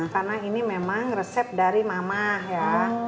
karena ini memang resep dari mama ya